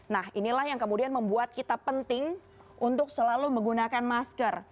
nah inilah yang kemudian membuat kita penting untuk selalu menggunakan masker